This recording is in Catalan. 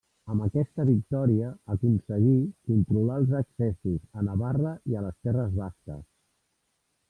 Amb aquesta victòria aconseguí controlar els accessos a Navarra i a les terres basques.